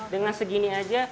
dengan segini aja